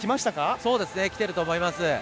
そうですねきていると思います。